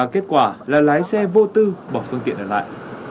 kết quả là lái xe vô tư bỏ phương tiện ở lại